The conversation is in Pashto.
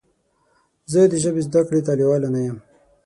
زه د ژبې زده کړې ته لیواله نه یم.